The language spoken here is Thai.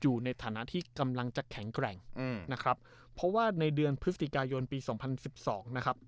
อยู่ในฐานะที่กำลังจะแข็งแกร่งอืมนะครับเพราะว่าในเดือนพฤศจิกายนปีสองพันสิบสองนะครับ